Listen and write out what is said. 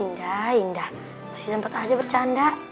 indah indah masih sempet aja bercanda